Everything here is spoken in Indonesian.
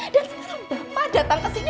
dan sekarang bapak datang ke sini